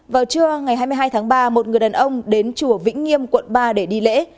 vào trưa ngày hai mươi hai tháng ba một người đàn ông đến chùa vĩnh nghiêm quận ba để đi lễ